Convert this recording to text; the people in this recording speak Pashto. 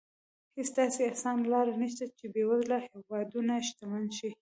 هېڅ داسې اسانه لار نه شته چې بېوزله هېوادونه شتمن شي.